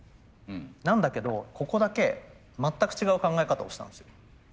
なんだけどここだけ全く違う考え方をしたんですよ。